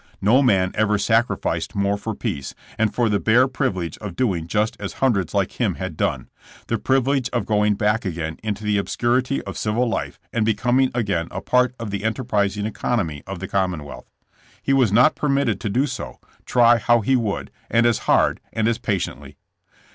No man ever sacrificed more for peace, and for the bare privilege of doing just as hundreds like him had done— the privilege of going back again into the obscurity of civil life and be coming again a part of the enterprising economy of the commonwealth. He was not permitted to do so, try how he would, and as hard, and as patiently.